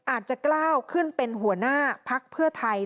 อาจจะกล้าวขึ้นเป็นหัวหน้าพักเพื่อไทย